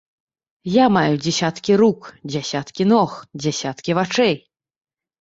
Я маю дзесяткі рук, дзесяткі ног, дзесяткі вачэй.